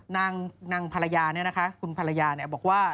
นางภรรยานี้นะคะคุณภรรยาเนี่ยบอกว่า